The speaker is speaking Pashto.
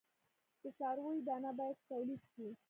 د څارویو دانه باید تولید شي.